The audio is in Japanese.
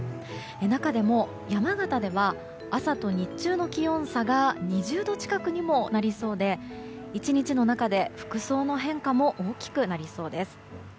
中でも山形では朝と日中の気温差が２０度近くにもなりそうで１日の中で服装の変化も大きくなりそうです。